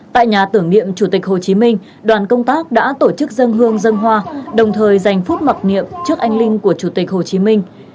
tại nhà tưởng niệm chủ tịch hồ chí minh đoàn công tác đã tổ chức dân hương dân hoa đồng thời dành phút mặc niệm trước anh linh của chủ tịch hồ chí minh